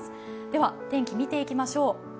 では天気を見ていきましょう。